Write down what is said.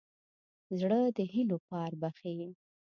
زړه د هيلو پار بښي.